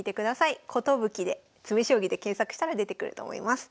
「寿」で「詰将棋」で検索したら出てくると思います。